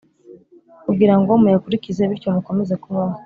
kugira ngo muyakurikize bityo mukomeze kubaho,